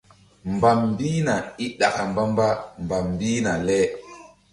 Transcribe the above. Mbam mbihna i ɗaka mbamba mbam mbih le.